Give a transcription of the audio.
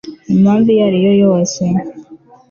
impamvu iyo ari yo yose